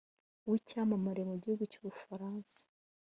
w’icyamamare mu gihugu cy’u Bufaransa